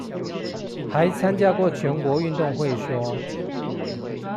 還參加過全國運動會說